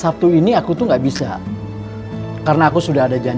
btainin kaum utama di awam